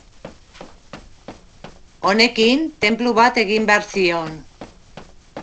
Honekin tenplu bat egin behar zion.